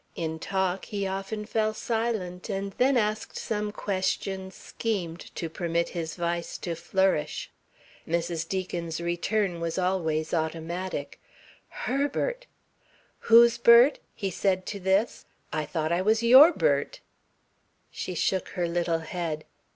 In talk he often fell silent and then asked some question, schemed to permit his vice to flourish. Mrs. Deacon's return was always automatic: "_Her_bert!" "Whose Bert?" he said to this. "I thought I was your Bert." She shook her little head.